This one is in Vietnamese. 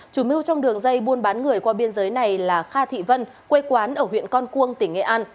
chủ mưu trong đường dây buôn bán người qua biên giới này là kha thị vân quê quán ở huyện con cuông tỉnh nghệ an